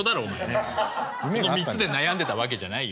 その３つで悩んでたわけじゃないよ。